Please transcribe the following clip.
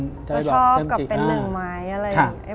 ก็ชอบกับเป็นหนึ่งไม้อะไรอย่างนี้